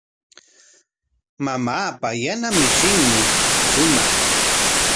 Mamaapa yana mishinmi shumaq.